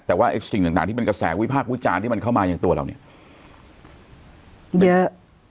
แต่ว่าไอ้สิ่งต่างที่เป็นกระแสวิพากษ์วิจารณ์ที่มันเข้ามาอย่างตัวเราเนี่ยเยอะ